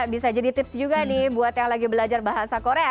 bisa jadi tips juga nih buat yang lagi belajar bahasa korea